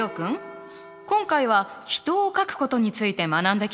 今回は人を描くことについて学んできたけどどうだった？